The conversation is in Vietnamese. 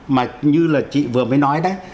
mà như là chị vừa mới nói đấy